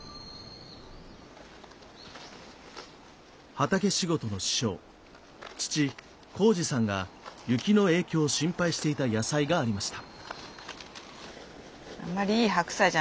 畑仕事の師匠父紘二さんが雪の影響を心配していた野菜がありました。